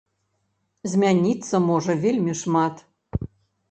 Змяніцца можа вельмі шмат.